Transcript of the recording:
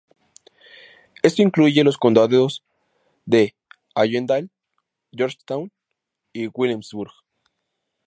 Esto incluye los condados de Allendale, Georgetown y Williamsburg.